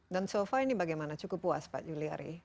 dan so far ini bagaimana cukup puas pak yuli ari